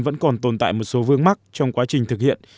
vẫn còn tồn tại một số vương mắc trong quá trình thực hiện